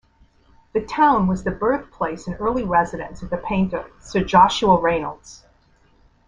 The town was the birthplace and early residence of the painter Sir Joshua Reynolds.